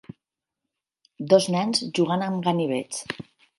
Dos nens jugant amb ganivets.